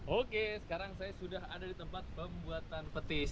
oke sekarang saya sudah ada di tempat pembuatan petis